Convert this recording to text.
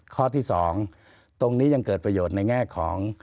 ข้อที่๒ตรงนี้ยังเกิดประโยชน์ในแง่ของ